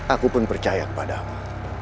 aku pun percaya kepada mu